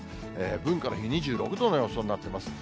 文化の日、２６度の予想になってます。